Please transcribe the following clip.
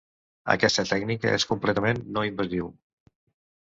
Aquesta tècnica és completament no invasiu.